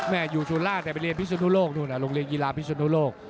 อยู่สุราชแต่ไปเรียนพิศนุโลกนู่นโรงเรียนกีฬาพิศนุโลก